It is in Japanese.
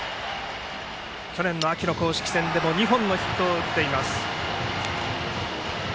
去年の秋の公式戦でも２本のヒットを打っています。